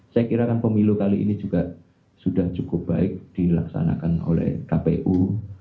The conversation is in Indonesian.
saya kira kan pemilu kali ini juga sudah cukup baik dilaksanakan oleh kpu